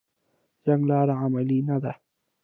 د جنګ لاره عملي نه ده